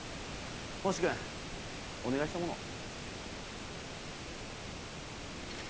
星君お願いしたものは？